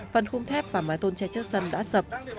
phần khung thép và mái tôn che chất sân đã sập